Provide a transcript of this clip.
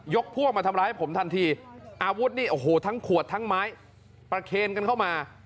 พวกมาทำร้ายผมทันทีอาวุธนี่โอ้โหทั้งขวดทั้งไม้ประเคนกันเข้ามา